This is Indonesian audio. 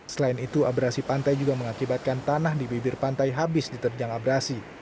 selain itu abrasi pantai juga mengakibatkan tanah di bibir pantai habis diterjang abrasi